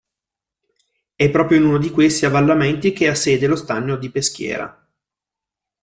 È proprio in uno di questi avvallamenti che ha sede lo stagno di Peschiera.